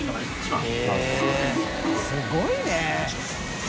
すごいね。